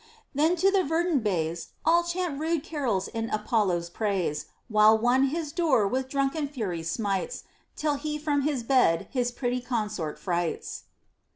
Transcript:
Then to the verdant bays All chant rude carols in Apollo's praise ; While one his door with drunken fury smites, Till he from bed his pretty consort frights.